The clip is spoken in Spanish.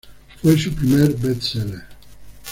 Fue su primer best-seller.